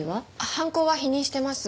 犯行は否認しています。